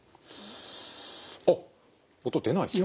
あっ音出ないですね。